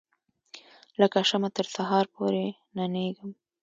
لکه شمعه تر سهار پوري ننیږم